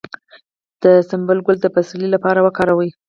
د سنبل ګل د پسرلي لپاره وکاروئ